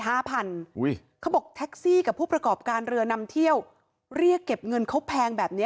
เขาบอกแท็กซี่กับผู้ประกอบการเรือนำเที่ยวเรียกเก็บเงินเขาแพงแบบเนี้ย